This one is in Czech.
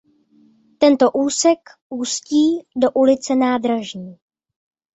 Tento úsek ústí do ulice Nádražní.